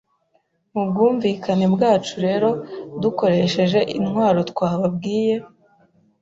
Mu bwumvikane bwacu rero dukoresheje intwaro twababwiye,